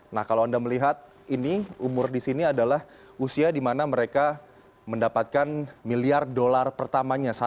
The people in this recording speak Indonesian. nah kalau anda melihat ini umur di sini adalah usia di mana mereka mendapatkan miliar dolar pertamanya